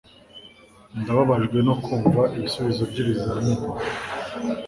Nababajwe no kumva ibisubizo by'ibizamini